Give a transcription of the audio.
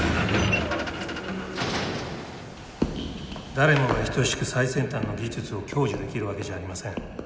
誰もが等しく最先端の技術を享受できるわけじゃありません。